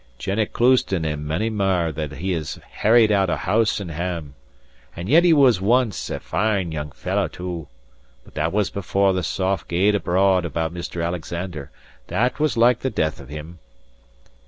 Jennet Clouston and mony mair that he has harried out of house and hame. And yet he was ance a fine young fellow, too. But that was before the sough gaed abroad about Mr. Alexander, that was like the death of him." * Rope. Report.